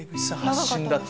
発信だった。